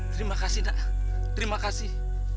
terima kasih nak terima kasih